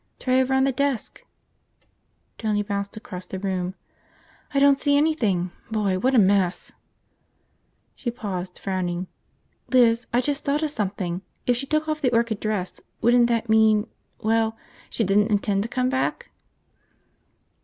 "Try over on the desk." Tony bounced across the room. "I don't see anything. Boy, what a mess!" She paused, frowning. "Liz, I just thought of something! If she took off the orchid dress, wouldn't that mean ... well, she didn't intend to come back?"